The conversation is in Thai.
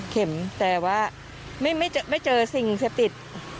เข็มแต่ว่าไม่เจอสิ่งเสพติด